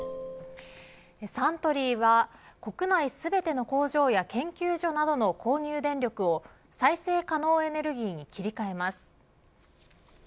サントリーは国内全ての工場や研究所などの購入電力を再生可能エネルギーに切り替えます。